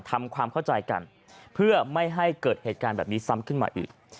ทำความเข้าใจกันเพื่อไม่ให้เกิดเหตุการณ์แบบนี้ซ้ำขึ้นมาอีก